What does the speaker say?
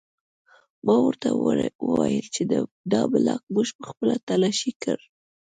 ما ورته وویل چې دا بلاک موږ پخپله تلاشي کړ